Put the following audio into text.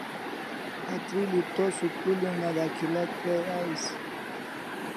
Atril'i to school Una dak'ila kai ais